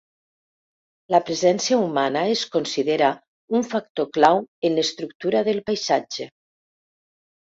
La presència humana es considera un factor clau en l'estructura del paisatge.